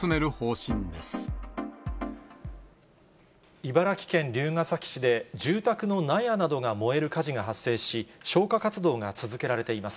茨城県龍ケ崎市で、住宅の納屋などが燃える火事が発生し、消火活動が続けられています。